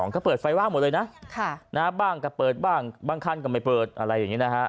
ก็เปิดไฟว่างหมดเลยนะบ้างก็เปิดบ้างบางคันก็ไม่เปิดอะไรอย่างนี้นะฮะ